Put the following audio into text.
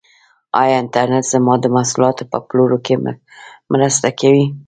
آیا انټرنیټ زما د محصولاتو په پلور کې مرسته کوي؟